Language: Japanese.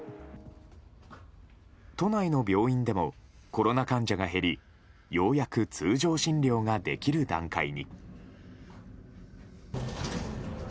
都内の病院でもコロナ患者が減りようやく通常診療ができる段階に。